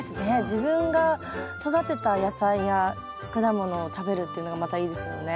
自分が育てた野菜や果物を食べるっていうのがまたいいですもんね。